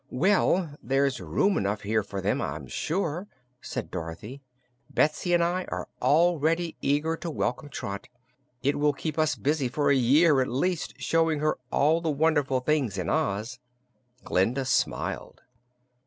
"Well, there's room enough here for them, I'm sure," said Dorothy. "Betsy and I are already eager to welcome Trot. It will keep us busy for a year, at least, showing her all the wonderful things in Oz." Glinda smiled.